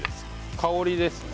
香りですね